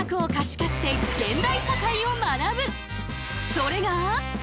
それが。